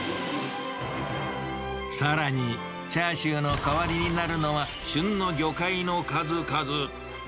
さらに、チャーシューの代わりになるのは、旬の魚介の数々。